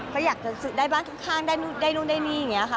ก็อยากจะได้บ้านข้างได้นู่นได้นี่อย่างนี้ค่ะ